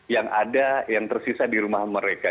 yang ada yang tersisa di rumah mereka